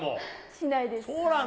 しないです。